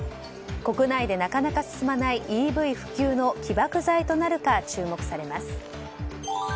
国内でなかなか進まないＥＶ普及の起爆剤となるか注目されます。